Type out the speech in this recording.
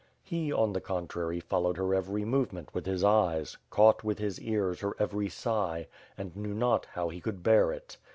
He, on the contrary, followed her every move ment with his eyes, caught, with his ears, her every sigh — and knew not how he could bear it.